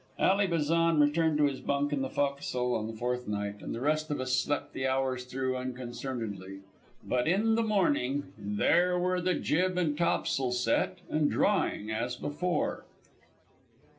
Ally Bazan returned to his bunk in the fo'c's'le on the fourth night, and the rest of us slept the hours through unconcernedly. But in the morning there were the jib and tops'l set and drawing as before.